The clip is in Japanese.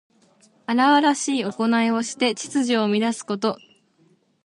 荒々しいおこないをして秩序を乱すこと。